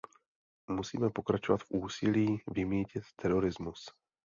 Musíme pokračovat v úsilí vymýtit terorismus.